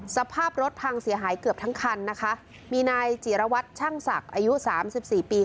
สภาพรถพังเสียหายเกือบทั้งคันนะคะมีนายจิรวัตรช่างศักดิ์อายุสามสิบสี่ปี